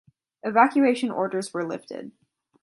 Evacuation orders were lifted.